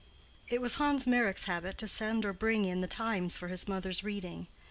It was Hans Meyrick's habit to send or bring in the Times for his mother's reading.